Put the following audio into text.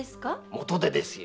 元手ですよ。